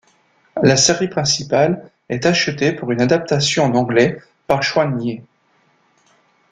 La série principale est acheté pour une adaptation en anglais par Chuang Yi.